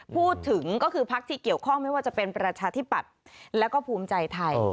พูดถึงก็คือพักที่เกี่ยวข้องไม่ว่าจะเป็นประชาธิปัตย์แล้วก็ภูมิใจไทย